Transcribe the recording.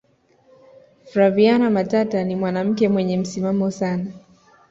flaviana matata ni mwanamke mwenye msimamo sana